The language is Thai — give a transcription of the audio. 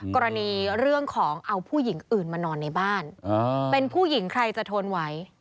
กรณีเรื่องของเอาผู้หญิงอื่นมานอนในบ้านเป็นผู้หญิงใครจะทนไหว